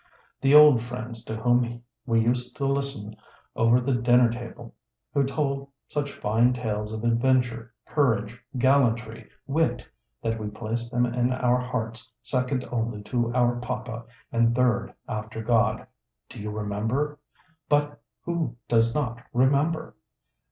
The old friends to whom we used to listen over the dinner table, who told such fine tales of adventure, courage, gallantry, wit, that we placed them in our hearts second only to our Papa and third after God, do you remember — ^but who does not remember?